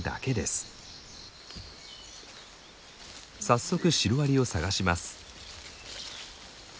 早速シロアリを探します。